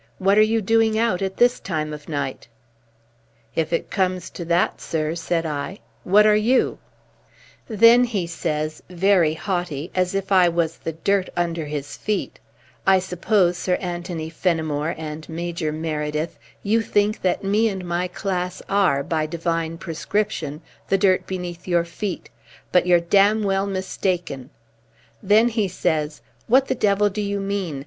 What are you doing out at this time of night?' "'If it comes to that, sir,' said I, 'what are you?' "Then he says, very haughty, as if I was the dirt under his feet I suppose, Sir Anthony Fenimore and Major Meredyth, you think that me and my class are by divine prescription the dirt beneath your feet, but you're damn well mistaken then he says: 'What the devil do you mean?'